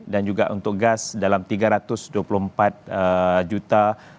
dan juga untuk gas dalam tiga ratus dua puluh empat juta